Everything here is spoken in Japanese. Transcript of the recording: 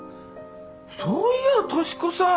そういや十志子さん